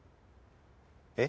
えっ？